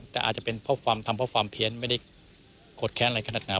แต่อาจจะเป็นทำเพราะฟังเพี้ยนไม่ได้กดแขนอะไรขนาดนั้น